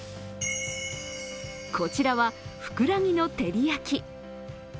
こちらはフクラギの照り焼き。